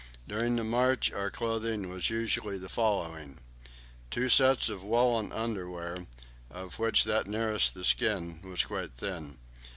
During the march our clothing was usually the following: two sets of woollen underclothes, of which that nearest the skin was quite thin.